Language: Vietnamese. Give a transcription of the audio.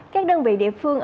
các đơn vị địa phương